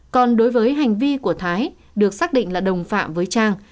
còn đối với hành vi của thái được xác định là đồng phạm với trang